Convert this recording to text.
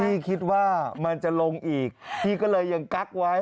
พี่คิดว่ามันจะลงอีกพี่ก็เลยยังกั๊กไว้